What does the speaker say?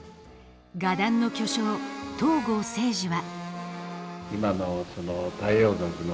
画壇の巨匠東郷青児は。